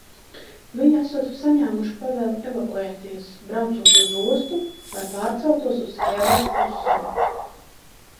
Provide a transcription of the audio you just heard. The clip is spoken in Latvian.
Viņi esot saņēmuši pavēli evakuēties, braucot uz ostu, lai pārceltos uz Hēlas pussalu.